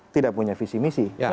tidak punya visi misi